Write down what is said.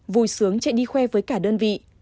vui sướng chạy đi khoe với cả đơn vị